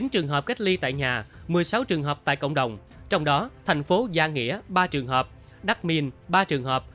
chín trường hợp cách ly tại nhà một mươi sáu trường hợp tại cộng đồng trong đó thành phố gia nghĩa ba trường hợp đắk minh ba trường hợp